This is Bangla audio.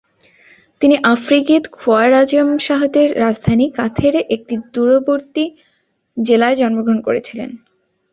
তিনি আফ্রিগিদ খোয়ারাজমশাহদের রাজধানী কাথের একটি দূরবর্তী জেলায় জন্মগ্রহণ করেছিলেন।